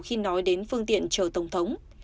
khi nói đến phương tiện chở tổng thống